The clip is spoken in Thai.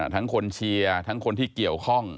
คนเชียร์ทั้งคนที่เกี่ยวข้อง